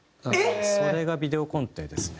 それがビデオコンテですね。